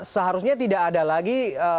seharusnya tidak ada lagi